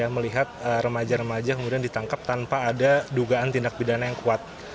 melihat remaja remaja kemudian ditangkap tanpa ada dugaan tindak pidana yang kuat